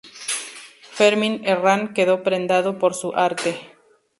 Fermín Herrán, quedó prendado por su arte.